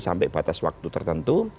sampai batas waktu tertentu